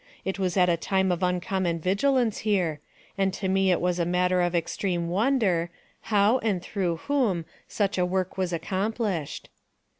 It was at a time of uncommon vigilance here, and to me it was a matter of extreme wonder, how and through whom, such a work was accomplished.